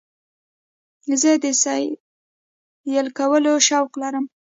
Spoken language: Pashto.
زه د سیل کولو شوق لرم.